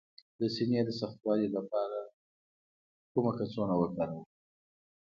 د سینې د سختوالي لپاره کومه کڅوړه وکاروم؟